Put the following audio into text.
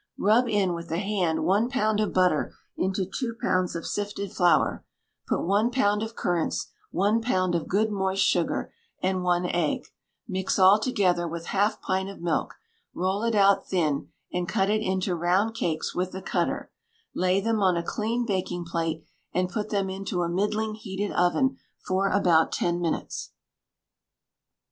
Rub in with the hand one pound of butter into two pounds of sifted flour; put one pound of currants, one pound of good moist sugar, and one egg; mix all together with half pint of milk; roll it out thin, and cut it into round cakes with a cutter; lay them on a clean baking plate, and put them into a middling heated oven for about ten minutes.